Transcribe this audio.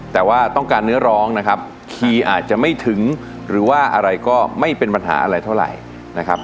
แต่ว่าต้องการเนื้อร้องนะครับคีย์อาจจะไม่ถึงหรือว่าอะไรก็ไม่เป็นปัญหาอะไรเท่าไหร่นะครับ